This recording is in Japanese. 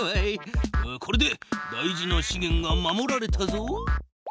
これで大事なしげんが守られたぞ。